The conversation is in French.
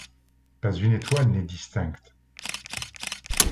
Pas une étoile n’est distincte.